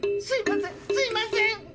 すいません！